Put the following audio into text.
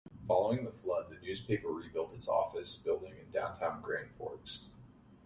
Following the flood, the newspaper rebuilt its office building in downtown Grand Forks.